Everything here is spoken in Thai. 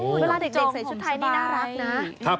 เวลาเด็กใส่ชุดไทยนี่น่ารักนะ